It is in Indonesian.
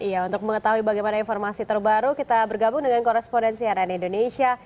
iya untuk mengetahui bagaimana informasi terbaru kita bergabung dengan korespondensi rn indonesia